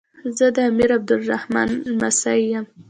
زه د امیر عبدالرحمان لمسی یم.